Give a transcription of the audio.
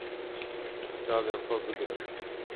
Çavên xwe bigire.